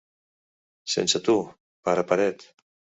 Sense tu, pare paret.